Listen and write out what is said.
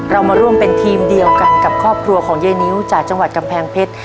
เรามาร่วมเป็นทีมเดียวกันกับครอบครัวของยายนิ้วจากจังหวัดกำแพงเพชร